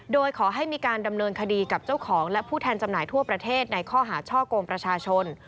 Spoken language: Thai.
โดยขอให้มีการดำเนินคดีกับเจ้าของและผู้แทนจำหน่ายทั่วประเทศในข้อหาช่อกงประชาชน